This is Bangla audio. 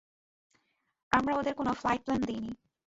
আমরা ওদের কোনো ফ্লাইট প্ল্যান দিইনি।